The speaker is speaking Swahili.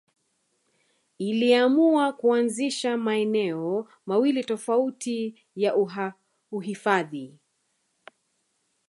Iliamua kuanzisha maeneo mawili tofauti ya uhifadhi